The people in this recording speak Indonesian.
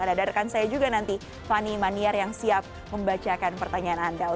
ada rekan saya juga nanti fani maniar yang siap membacakan pertanyaan anda